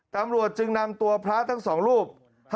ตำรวจจึงนำตัวพระทั้งสองรูป